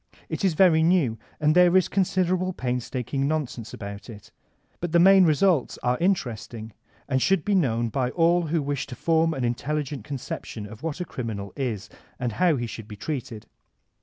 It is very new, and there is considerable painstaking nonsense about it. But the main results are interesting and should be known by all who wish to form an intelligent conception of what a criminal is and how he should be treated.